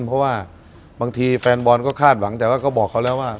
เพราะว่าบางทีแฟนบอลก็คาดหวังแต่ว่าก็บอกเขาแล้วว่า